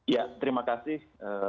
ya terima kasih